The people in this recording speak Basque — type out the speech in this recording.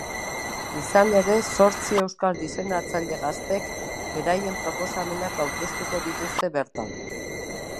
Izan ere, zortzi euskal diseinatzaile gaztek beraien proposamenak aurkeztuko dituzte bertan.